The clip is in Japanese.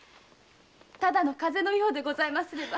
ただの風邪のようでございますれば。